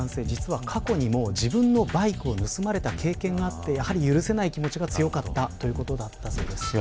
実は過去にも自分のバイクを盗まれた経験があってやはり許せない気持ちが強かったということだったそうです。